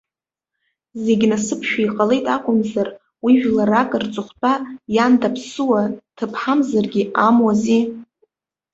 Зегь насыԥшәа иҟалеит акәымзар, уи жәларак рҵыхәтәа иан даԥсыуа ҭыԥҳамзаргьы амуази?!